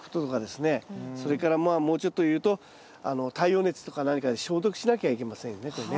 それからまあもうちょっと言うと太陽熱とか何かで消毒しなきゃいけませんよねこれね。